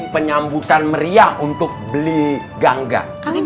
penyambutan meriah untuk beli gangga